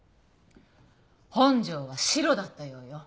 本庄はシロだったようよ。